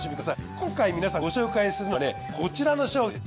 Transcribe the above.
今回皆さんご紹介するのはねこちらの商品です。